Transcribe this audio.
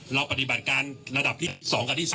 เราปฏิบัติการระดับที่๒กับที่๓